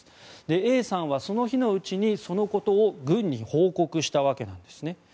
Ａさんはその日のうちにそのことを軍に報告したわけなんですね。